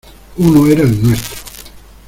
uno era el nuestro.